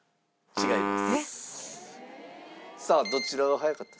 違います。